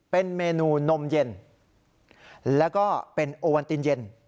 เป็นเมนูนมเย็นแล้วก็เป็นโอวันตินเย็น